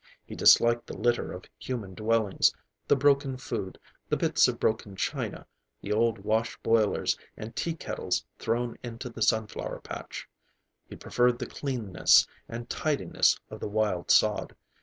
He disliked the litter of human dwellings: the broken food, the bits of broken china, the old wash boilers and tea kettles thrown into the sunflower patch. He preferred the cleanness and tidiness of the wild sod.